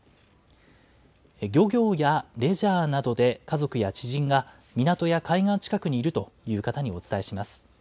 漁業やレジャーなどで家族や知人が港や海岸近くにいるという方にお伝えします。